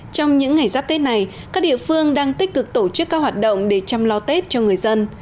trong những ngày giáp tết này các địa phương đang tích cực tổ chức các hoạt động để chăm lo tết cho người dân